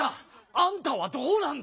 あんたはどうなんだ？